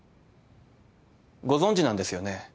ご存じなんですよね？